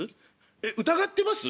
「えっ疑ってます？